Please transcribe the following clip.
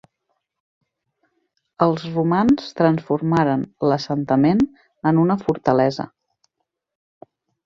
Els romans transformaren l'assentament en una fortalesa.